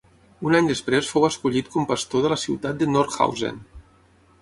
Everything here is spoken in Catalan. Un any després fou escollit com pastor de la ciutat de Nordhausen.